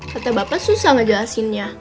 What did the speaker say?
kata bapak susah ngejelasinnya